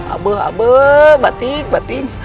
aduh abuh batik batik